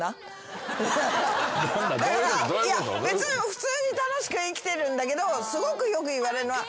普通に楽しく生きてるんだけどすごくよく言われるのは。